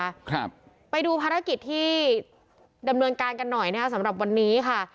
ครับไปดูภารกิจที่ดำเนินการกันหน่อยนะคะสำหรับวันนี้ค่ะ